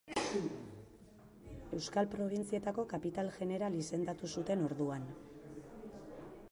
Euskal probintzietako kapitain jeneral izendatu zuten orduan.